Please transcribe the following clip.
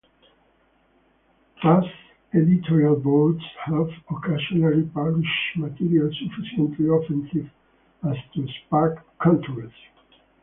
Past editorial boards have occasionally published material sufficiently offensive as to spark controversy.